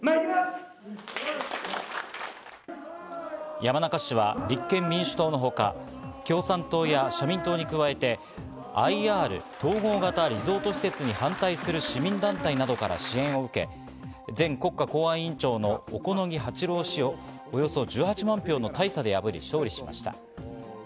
山中氏は立憲民主党のほか、共産党や社民党に加えて、ＩＲ＝統合型リゾート施設に反対する市民団体などから支援を受け、前国家公安委員長の小此木八郎氏をおよそ１８万票の大差で破り勝利しました。